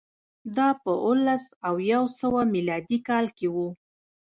دا په اووه لس او یو سوه میلادي کال کې و